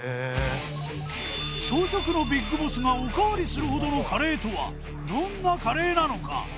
小食のＢＩＧＢＯＳＳがおかわりするほどのカレーとはどんなカレーなのか？